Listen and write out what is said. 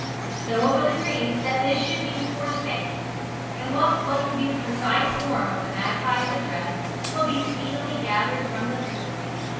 So it was agreed that this should be the course taken, and what was to be the precise form of the magpie's address will be speedily gathered from the story.